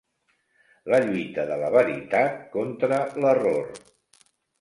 La lluita de la veritat contra l'error.